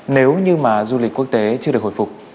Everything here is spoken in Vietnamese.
nếu như mà du lịch quốc tế chưa được hồi phục